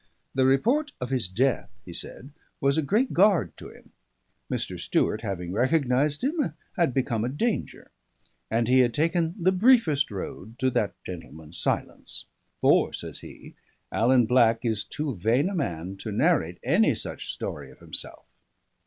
The report of his death, he said, was a great guard to him; Mr. Stewart having recognised him, had become a danger; and he had taken the briefest road to that gentleman's silence. "For," says he, "Alan Black is too vain a man to narrate any such story of himself."